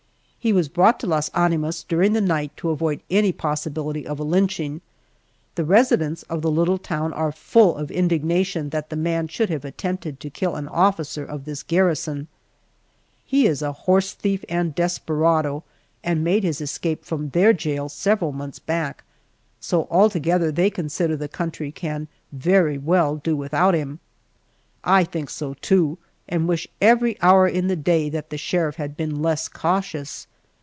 He was brought to Las Animas during the night to avoid any possibility of a lynching. The residents of the little town are full of indignation that the man should have attempted to kill an officer of this garrison. He is a horse thief and desperado, and made his escape from their jail several months back, so altogether they consider that the country can very well do without him. I think so, too, and wish every hour in the day that the sheriff had been less cautious.